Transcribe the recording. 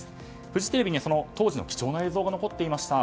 フジテレビに、その当時の貴重な映像が残っていました。